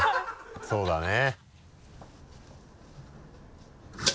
そうだね。